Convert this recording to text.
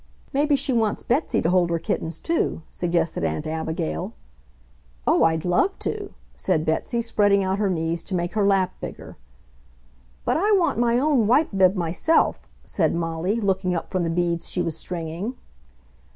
"Maybe she wants Betsy to hold her kittens, too," suggested Aunt Abigail. "Oh, I'd love to!" said Betsy, spreading out her knees to make her lap bigger. "But I want my own White bib myself!" said Molly, looking up from the beads she was stringing.